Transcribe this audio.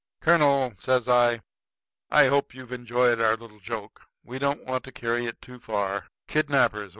"Colonel," says I, "I hope you've enjoyed our little joke. We don't want to carry it too far. Kidnappers!